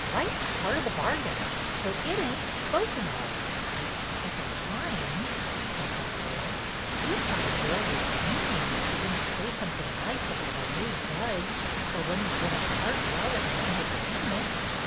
Right's part of the bargain, so it ain't spoken of." "At 'The Pines,"' spoke up Lois, "we thought a girl was mean when she did n't say something nice about our new duds, or when we did our part well at an entertainment.